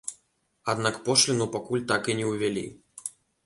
Аднак пошліну пакуль так і не ўвялі.